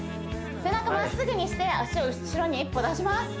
背中まっすぐにして足を後ろに一歩出します